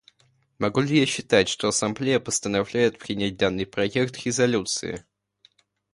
Могу ли я считать, что Ассамблея постановляет принять данный проект резолюции?